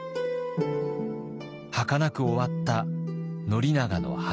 はかなく終わった宣長の初恋。